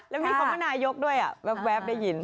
แล้วมีคำว่านายกด้วยแว๊บได้ยิน